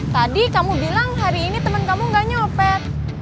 tadi kamu bilang hari ini teman kamu gak nyopet